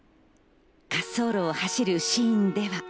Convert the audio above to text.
滑走路を走るシーンでは。